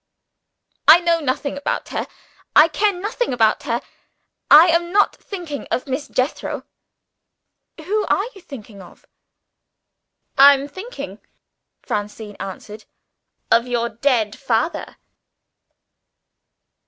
"I know nothing about her. I care nothing about her. I am not thinking of Miss Jethro." "Who are you thinking of?" "I am thinking," Francine answered, "of your dead father."